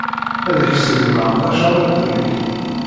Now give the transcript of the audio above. Ad ak-ṣeggmeɣ tacariḍt-nnek.